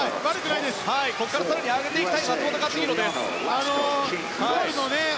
ここから更に上げていきたい松元克央。